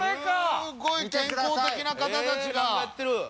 すごい健康的な方たちが。